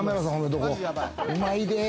うまいで。